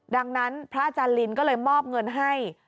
ดังนั้นพระอาจารย์ลินก็เลยมอบเงินให้